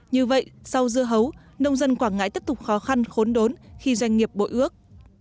như vậy sau dưa hấu nông dân quảng ngãi tiếp tục khó khăn khốn đốn khi doanh nghiệp bội ước